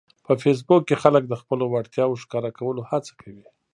په فېسبوک کې خلک د خپلو وړتیاوو ښکاره کولو هڅه کوي